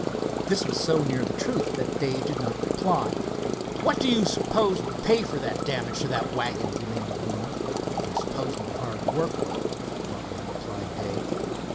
This was so near the truth that Dave did not reply. "What do you suppose will pay for all that damage to that wagon?" demanded Warner. "I suppose my hard work will," bluntly replied Dave.